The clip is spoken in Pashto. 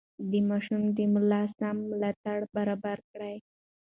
د ماشوم د ملا سم ملاتړ برابر کړئ.